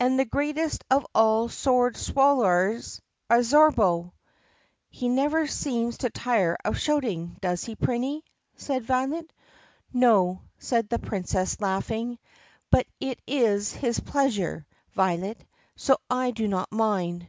And the greatest of all sword swallerers, Absorbo!" "He never seems to tire of shouting, does he, Prinny?" said Violet. "No," said the Princess laughing, "but it is his pleasure, Violet, so I do not mind.